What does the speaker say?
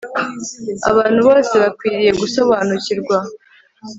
Abantu bose bakwiriye gusobanukirwa